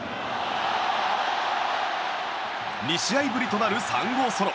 ２試合ぶりとなる３号ソロ。